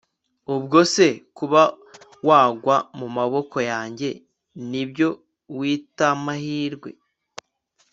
Ubwo se kuba wagwa mu maboko yanjye nibyo witamahirwe